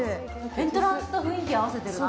エントランスと雰囲気、合わせてるな。